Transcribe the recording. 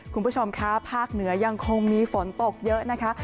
คุณผู้ชมคะภาคเหนือยังคงมีฝนตกเยอะนะคะ